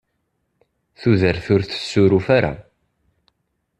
Tudert ur tessuruf ara.